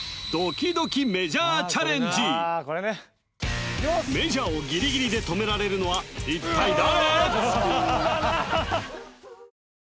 これねメジャーをギリギリで止められるのは一体誰？